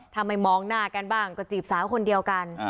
ถ้าไม่มองหน้ากันบ้างก็จีบสาวคนเดียวกัน